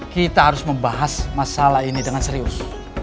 kita harus membahas masalah ini dengan serius